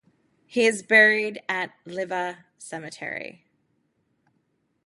He is buried at Liiva Cemetery.